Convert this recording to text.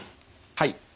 はい。